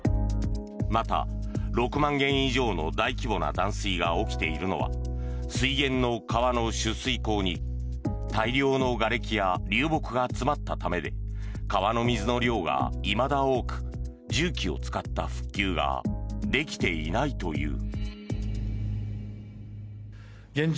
また、６万軒以上の大規模な断水が起きているのは水源の川の取水口に大量のがれきや流木が詰まったためで川の水の量がいまだ多く重機を使った復旧ができていないという。